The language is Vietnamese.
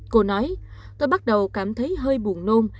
cô nói tôi bắt đầu cảm thấy hơi buồn nôn